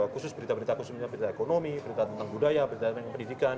khusus berita berita ekonomi berita tentang budaya berita pendidikan